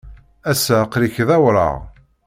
Ass-a, aql-ik d awraɣ.